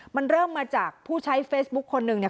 มันเริ่มมาจากผู้ใช้เฟซบุ๊คคนหนึ่งเนี่ย